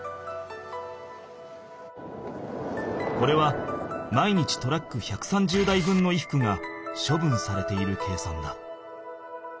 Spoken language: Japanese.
これは毎日トラック１３０台分の衣服がしょぶんされている計算だ。